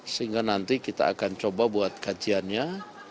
sehingga nanti kita akan coba buat kajiannya